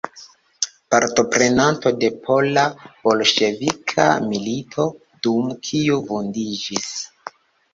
Partoprenanto de pola-bolŝevika milito dum kiu vundiĝis.